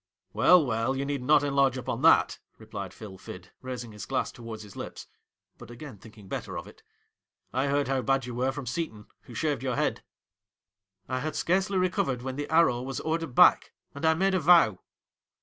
' Well, well, you need not enlarge upon that,' replied Phil Fid, raising his glass towards his lips, but again thinking better of it ; 'I heard how bad you were from Seton, who shaved your head.' 'I had scarcely recovered when the "Arrow" was ordered back, and I made a vow.'